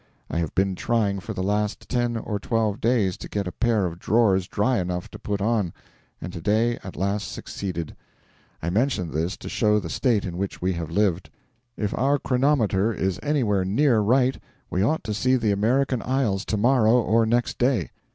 I have been trying for the last ten or twelve days to get a pair of drawers dry enough to put on, and to day at last succeeded. I mention this to show the state in which we have lived. If our chronometer is anywhere near right, we ought to see the American Isles to morrow or next day.